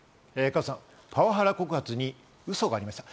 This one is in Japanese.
加藤さん、パワハラ告発にウソがありました。